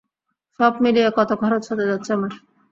সব মিলিয়ে কত খরচ হতে যাচ্ছে আমার?